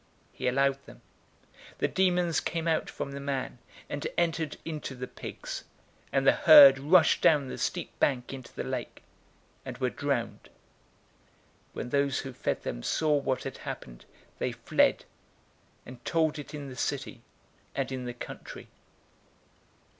He allowed them. 008:033 The demons came out from the man, and entered into the pigs, and the herd rushed down the steep bank into the lake, and were drowned. 008:034 When those who fed them saw what had happened, they fled, and told it in the city and in the country.